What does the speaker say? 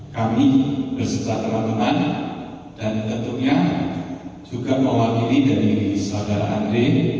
kami berserta teman teman dan tentunya juga mewakili dari saudara andre